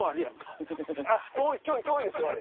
遠いですよあれ。